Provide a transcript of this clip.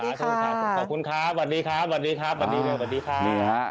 ขอบคุณครับ